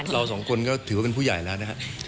เราสองคนก็ถือว่าเป็นผู้ใหญ่แล้วนะครับ